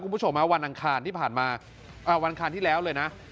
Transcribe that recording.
คุณผู้ชมวันอังคารที่ผ่านมาวันคารที่แล้วเลยนะ